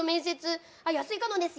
安井かのんです